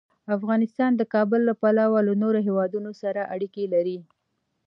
افغانستان د کابل له پلوه له نورو هېوادونو سره اړیکې لري.